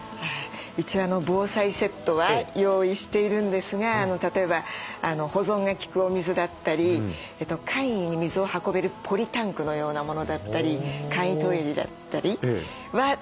一応防災セットは用意しているんですが例えば保存が利くお水だったり簡易に水を運べるポリタンクのようなものだったり簡易トイレだったりは。